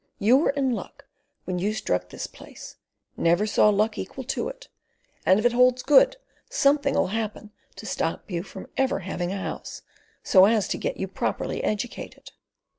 You were in luck when you struck this place; never saw luck to equal it. And if it holds good, something'll happen to stop you from ever having a house, so as to get you properly educated."